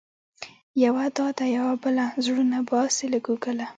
یوه دا ده يوه بله، زړونه باسې له ګوګله